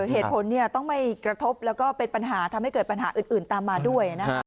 เหตุผลต้องไม่กระทบแล้วก็เป็นปัญหาทำให้เกิดปัญหาอื่นตามมาด้วย